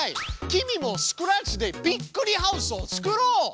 君もスクラッチでびっくりハウスをつくろう！